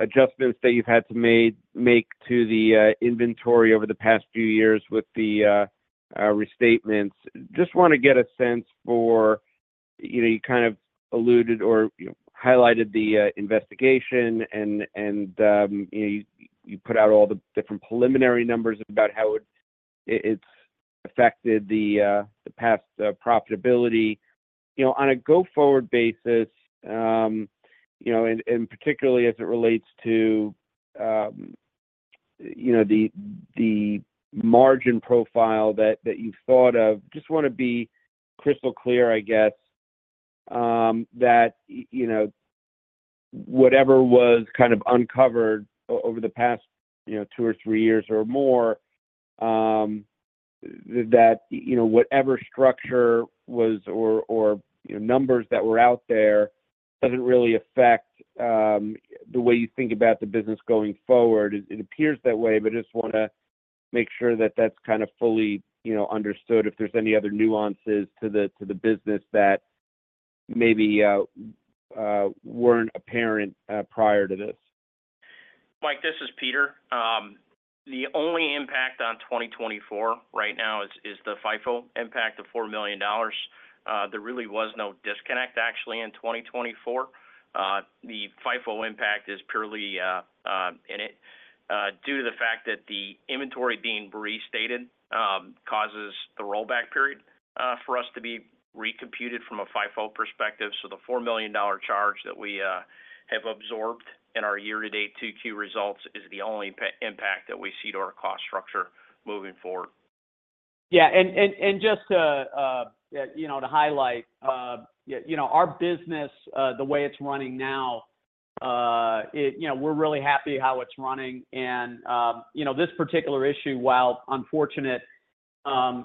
adjustments that you've had to make to the inventory over the past few years with the restatements, just want to get a sense for you kind of alluded or highlighted the investigation, and you put out all the different preliminary numbers about how it's affected the past profitability. On a go-forward basis, and particularly as it relates to the margin profile that you've thought of, just want to be crystal clear, I guess, that whatever was kind of uncovered over the past two or three years or more, that whatever structure was or numbers that were out there doesn't really affect the way you think about the business going forward. It appears that way, but I just want to make sure that that's kind of fully understood, if there's any other nuances to the business that maybe weren't apparent prior to this. Mike, this is Peter. The only impact on 2024 right now is the FIFO impact, the $4 million. There really was no disconnect, actually, in 2024. The FIFO impact is purely in it due to the fact that the inventory being restated causes the rollback period for us to be recomputed from a FIFO perspective. So the $4 million charge that we have absorbed in our year-to-date 2Q results is the only impact that we see to our cost structure moving forward. Yeah. And just to highlight, our business, the way it's running now, we're really happy how it's running. And this particular issue, while unfortunate,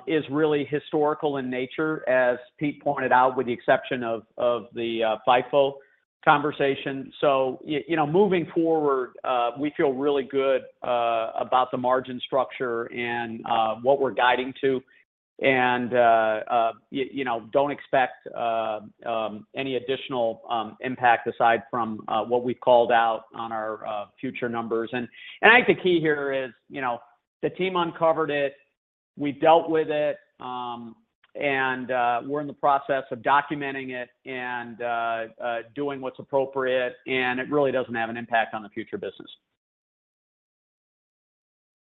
is really historical in nature, as Pete pointed out, with the exception of the FIFO conversation. So moving forward, we feel really good about the margin structure and what we're guiding to. And don't expect any additional impact aside from what we've called out on our future numbers. And I think the key here is the team uncovered it. We've dealt with it. And we're in the process of documenting it and doing what's appropriate. And it really doesn't have an impact on the future business.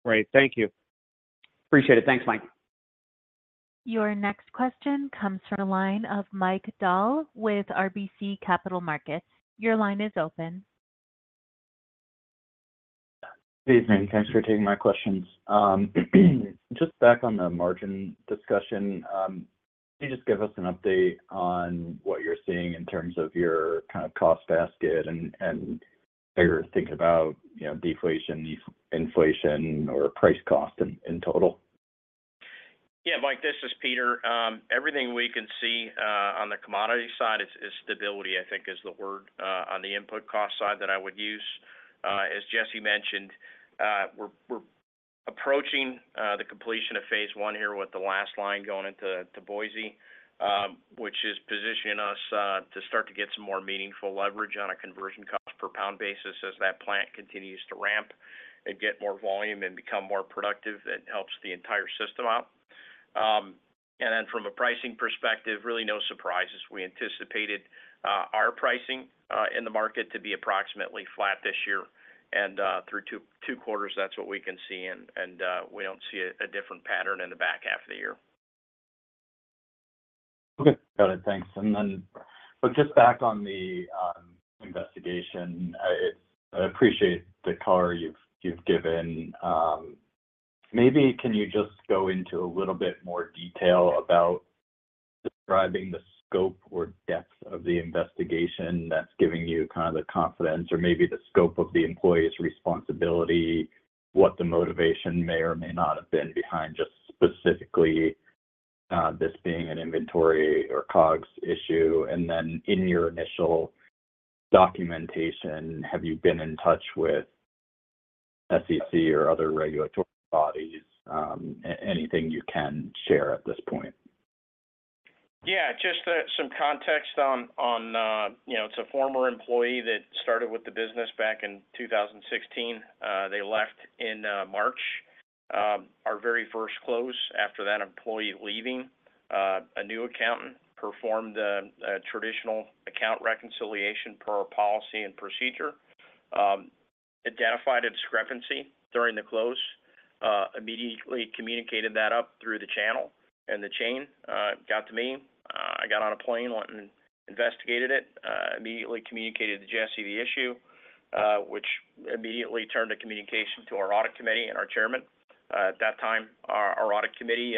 Great. Thank you. Appreciate it. Thanks, Mike. Your next question comes from the line of Mike Dahl with RBC Capital Markets. Your line is open. Good evening. Thanks for taking my questions. Just back on the margin discussion, could you just give us an update on what you're seeing in terms of your kind of cost basket and how you're thinking about deflation, inflation, or price cost in total? Yeah. Mike, this is Peter. Everything we can see on the commodity side is stability, I think, is the word on the input cost side that I would use. As Jesse mentioned, we're approaching the completion of phase one here with the last line going into Boise, which is positioning us to start to get some more meaningful leverage on a conversion cost per pound basis as that plant continues to ramp and get more volume and become more productive. That helps the entire system out. And then from a pricing perspective, really no surprises. We anticipated our pricing in the market to be approximately flat this year. And through two quarters, that's what we can see. And we don't see a different pattern in the back half of the year. Okay. Got it. Thanks. Just back on the investigation, I appreciate the color you've given. Maybe can you just go into a little bit more detail about describing the scope or depth of the investigation that's giving you kind of the confidence or maybe the scope of the employee's responsibility, what the motivation may or may not have been behind just specifically this being an inventory or COGS issue? In your initial documentation, have you been in touch with SEC or other regulatory bodies, anything you can share at this point? Yeah. Just some context on; it's a former employee that started with the business back in 2016. They left in March, our very first close after that employee leaving. A new accountant performed a traditional account reconciliation per our policy and procedure, identified a discrepancy during the close, immediately communicated that up through the channel and the chain, got to me. I got on a plane and investigated it, immediately communicated to Jesse the issue, which immediately turned to communication to our audit committee and our chairman. At that time, our audit committee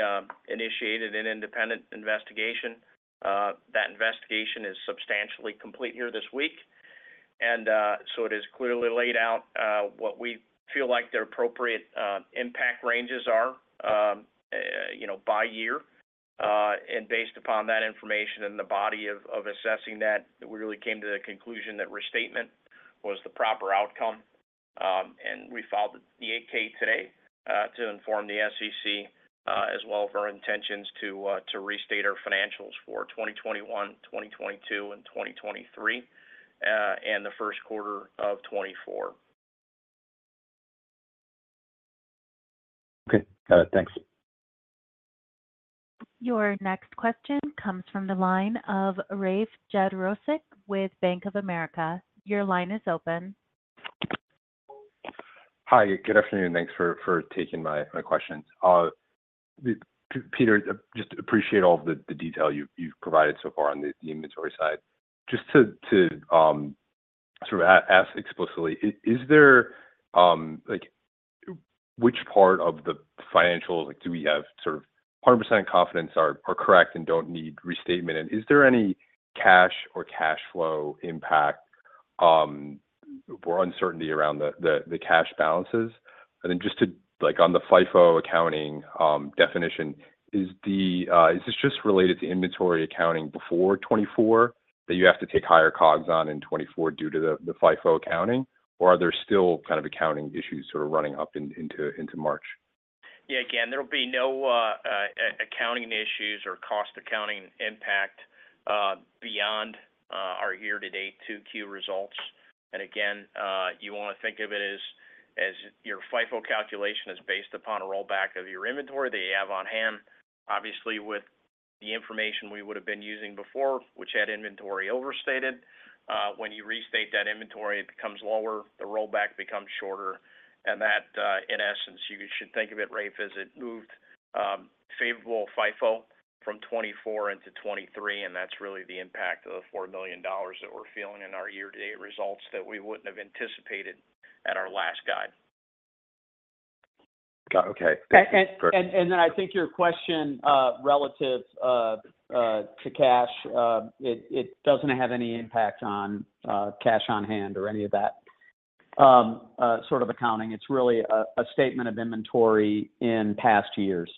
initiated an independent investigation. That investigation is substantially complete here this week. And so it is clearly laid out what we feel like their appropriate impact ranges are by year. And based upon that information and the body of assessing that, we really came to the conclusion that restatement was the proper outcome. We filed the 8-K today to inform the SEC as well as our intentions to restate our financials for 2021, 2022, and 2023 and the Q1 of 2024. Okay. Got it. Thanks. Your next question comes from the line of Rafe Jadrosich with Bank of America. Your line is open. Hi. Good afternoon. Thanks for taking my questions. Peter, just appreciate all of the detail you've provided so far on the inventory side. Just to sort of ask explicitly, which part of the financials do we have sort of 100% confidence are correct and don't need restatement? And is there any cash or cash flow impact or uncertainty around the cash balances? And then just on the FIFO accounting definition, is this just related to inventory accounting before 2024 that you have to take higher COGS on in 2024 due to the FIFO accounting, or are there still kind of accounting issues sort of running up into March? Yeah. Again, there'll be no accounting issues or cost accounting impact beyond our year-to-date 2Q results. And again, you want to think of it as your FIFO calculation is based upon a rollback of your inventory that you have on hand, obviously, with the information we would have been using before, which had inventory overstated. When you restate that inventory, it becomes lower. The rollback becomes shorter. And that, in essence, you should think of it, Rafe, as it moved favorable FIFO from 2024 into 2023. And that's really the impact of the $4 million that we're feeling in our year-to-date results that we wouldn't have anticipated at our last guide. Got it. Okay. Thanks. Perfect. Then I think your question relative to cash, it doesn't have any impact on cash on hand or any of that sort of accounting. It's really a statement of inventory in past years.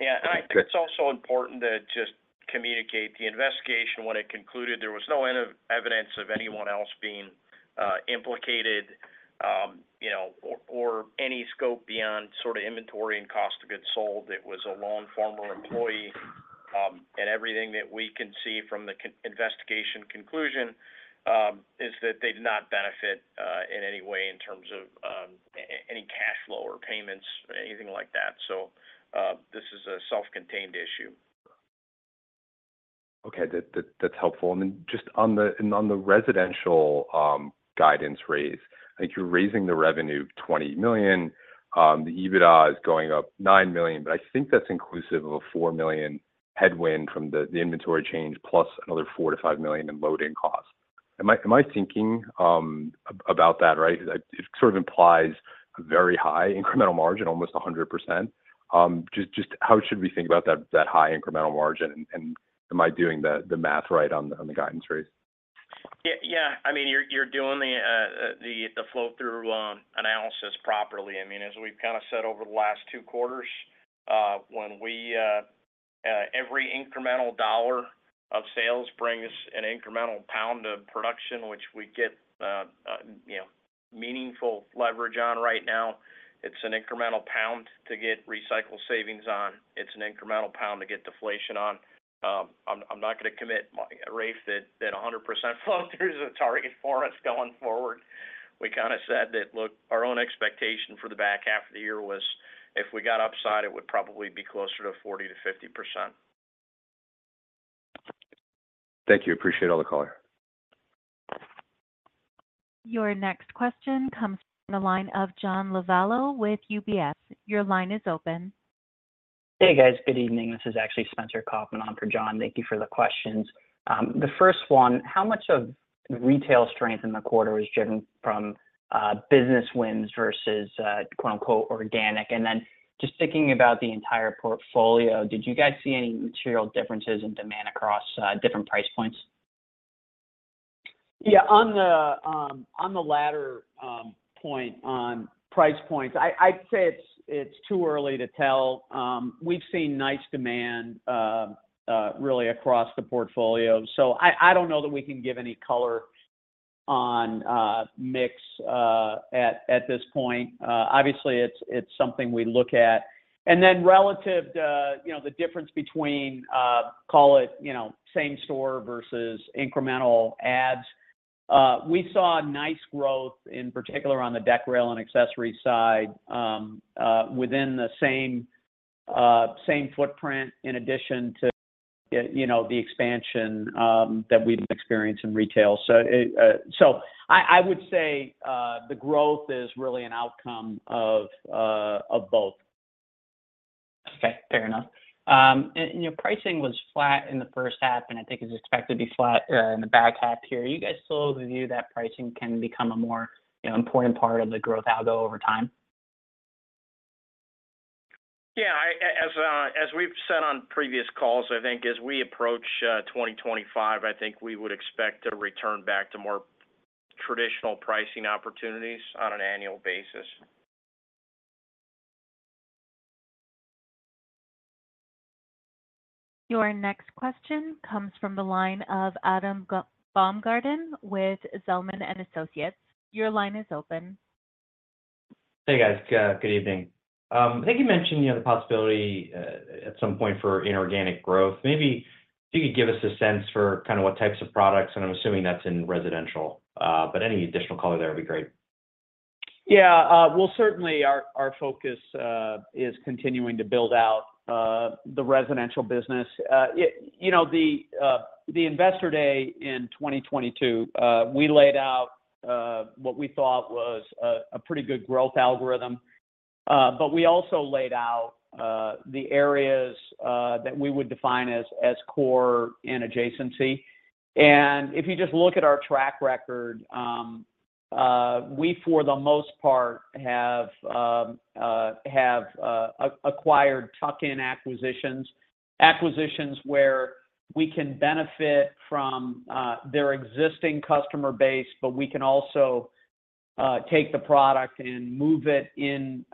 Yeah. And I think it's also important to just communicate the investigation. When it concluded, there was no evidence of anyone else being implicated or any scope beyond sort of inventory and cost of goods sold. It was a long former employee. And everything that we can see from the investigation conclusion is that they did not benefit in any way in terms of any cash flow or payments or anything like that. So this is a self-contained issue. Okay. That's helpful. And then just on the residential guidance raise, I think you're raising the revenue $20 million. The EBITDA is going up $9 million, but I think that's inclusive of a $4 million headwind from the inventory change plus another $4 million-5 million in loading costs. Am I thinking about that right? It sort of implies a very high incremental margin, almost 100%. Just how should we think about that high incremental margin? And am I doing the math right on the guidance raise? Yeah. I mean, you're doing the flow-through analysis properly. I mean, as we've kind of said over the last two quarters, every incremental dollar of sales brings an incremental pound of production, which we get meaningful leverage on right now. It's an incremental pound to get recycled savings on. It's an incremental pound to get deflation on. I'm not going to commit, Rafe, that 100% flow-through is a target for us going forward. We kind of said that, look, our own expectation for the back half of the year was if we got upside, it would probably be closer to 40%-50%. Thank you. Appreciate all the color. Your next question comes from the line of John Lovallo with UBS. Your line is open. Hey, guys. Good evening. This is actually Spencer Kaufman on for John. Thank you for the questions. The first one, how much of retail strength in the quarter was driven from business wins versus "organic"? And then just thinking about the entire portfolio, did you guys see any material differences in demand across different price points? Yeah. On the latter point, on price points, I'd say it's too early to tell. We've seen nice demand really across the portfolio. So I don't know that we can give any color on mix at this point. Obviously, it's something we look at. And then relative to the difference between, call it, same store versus incremental ads, we saw nice growth, in particular on the deck rail and accessories side, within the same footprint in addition to the expansion that we've experienced in retail. So I would say the growth is really an outcome of both. Okay. Fair enough. And your pricing was flat in the first half, and I think it's expected to be flat in the back half here. Are you guys still of the view that pricing can become a more important part of the growth algorithm over time? Yeah. As we've said on previous calls, I think as we approach 2025, I think we would expect to return back to more traditional pricing opportunities on an annual basis. Your next question comes from the line of Adam Baumgarten with Zelman & Associates. Your line is open. Hey, guys. Good evening. I think you mentioned the possibility at some point for inorganic growth. Maybe if you could give us a sense for kind of what types of products and I'm assuming that's in residential, but any additional color there would be great. Yeah. Well, certainly, our focus is continuing to build out the residential business. The investor day in 2022, we laid out what we thought was a pretty good growth algorithm. But we also laid out the areas that we would define as core and adjacency. And if you just look at our track record, we, for the most part, have acquired tuck-in acquisitions, acquisitions where we can benefit from their existing customer base, but we can also take the product and move it into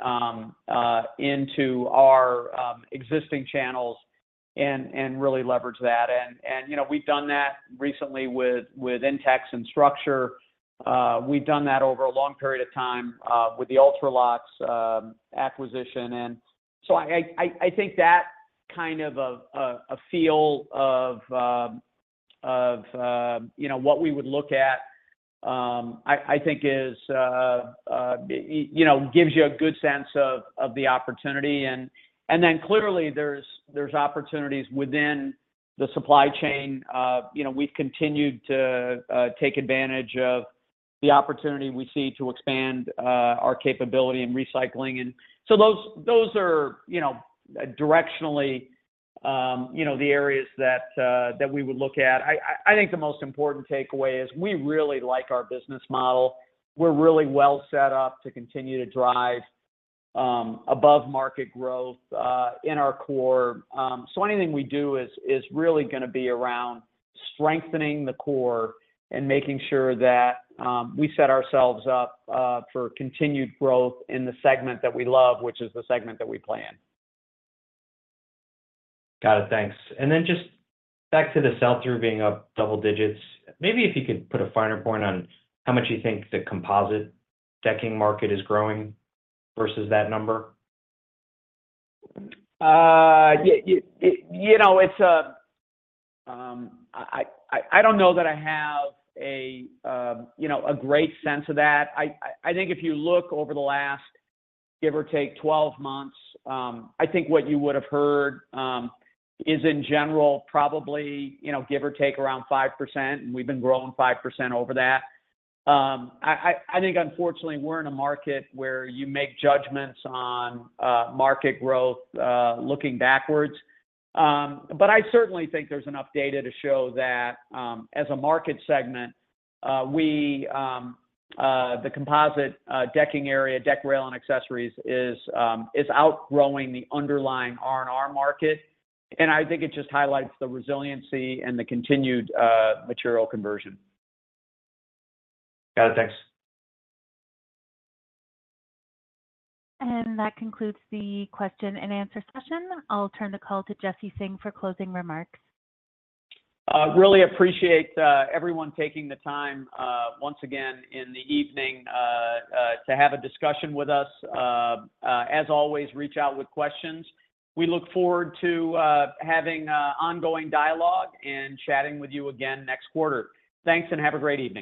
our existing channels and really leverage that. And we've done that recently with INTEX and StruXure. We've done that over a long period of time with the Ultralox acquisition. And so I think that kind of a feel of what we would look at, I think, gives you a good sense of the opportunity. And then clearly, there's opportunities within the supply chain. We've continued to take advantage of the opportunity we see to expand our capability in recycling. And so those are directionally the areas that we would look at. I think the most important takeaway is we really like our business model. We're really well set up to continue to drive above-market growth in our core. So anything we do is really going to be around strengthening the core and making sure that we set ourselves up for continued growth in the segment that we love, which is the segment that we plan. Got it. Thanks. And then just back to the sell-through being up double digits, maybe if you could put a finer point on how much you think the composite decking market is growing versus that number? It's, I don't know that I have a great sense of that. I think if you look over the last, give or take, 12 months, I think what you would have heard is, in general, probably, give or take, around 5%. And we've been growing 5% over that. I think, unfortunately, we're in a market where you make judgments on market growth looking backwards. But I certainly think there's enough data to show that as a market segment, the composite decking area, deck rail, and accessories is outgrowing the underlying R&R market. And I think it just highlights the resiliency and the continued material conversion. Got it. Thanks. That concludes the question-and-answer session. I'll turn the call to Jesse Singh for closing remarks. Really appreciate everyone taking the time once again in the evening to have a discussion with us. As always, reach out with questions. We look forward to having ongoing dialogue and chatting with you again next quarter. Thanks and have a great evening.